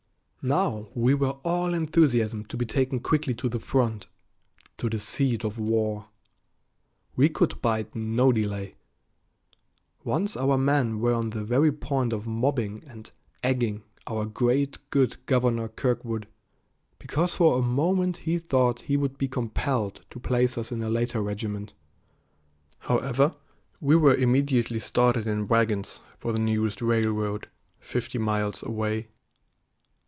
Now we were all enthusiasm to be taken quickly to the front, to the "seat of war." We could bide no delay. Once our men were on the very point of mobbing and "egging" our great, good Governor Kirkwood, because for a moment he thought he would be compelled to place us in a later regiment. However, we were immediately started in wagons for the nearest railroad, fifty miles away.